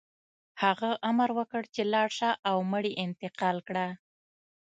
هغه امر وکړ چې لاړ شه او مړي انتقال کړه